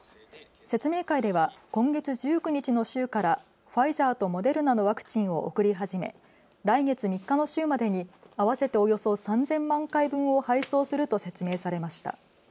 説明会では今月１９日の週からファイザーとモデルナのワクチンを送り始め来月３日の週までに合わせておよそ３０００万回分を配送すると説明されました。